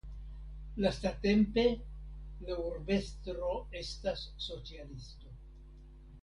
Lastatempe la urbestro estas socialisto.